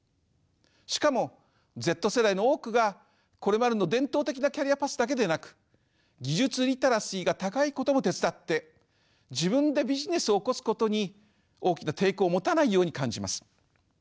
しかもＺ世代の多くがこれまでの伝統的なキャリアパスだけでなく技術リテラシーが高いことも手伝って自分でビジネスを起こすことに大きな抵抗を持たないように感じます。